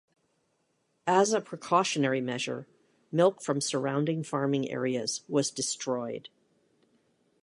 As a precautionary measure, milk from surrounding farming areas was destroyed.